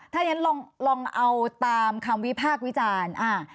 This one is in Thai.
ถ้าเรียนลองเอาตามคำวิพากษ์วิจารณ์